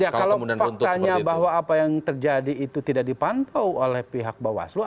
kalau faktanya bahwa apa yang terjadi itu tidak dipantau oleh pihak bawah seluruh